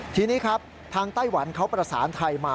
ทีนี้ครับทางไต้หวันเขาประสานไทยมา